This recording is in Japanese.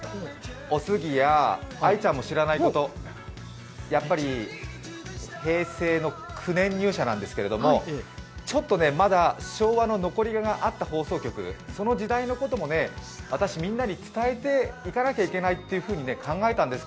おすぎや愛ちゃんも知らないこと、やっぱり平成の９年入社なんですけど、ちょっとまだ昭和の残り香があった放送局、その時代のことも私、みんなに伝えていかなきゃいけないと考えんです。